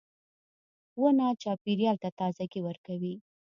• ونه چاپېریال ته تازهګۍ ورکوي.